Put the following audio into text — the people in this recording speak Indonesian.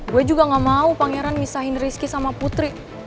gue juga gak mau pangeran misahin rizky sama putri